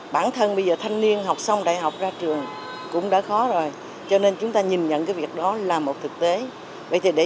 bản thân bây giờ thanh niên học xong đại học ra trường cũng đã khó rồi cho nên chúng ta nhìn nhận cái việc đó là một thực tế để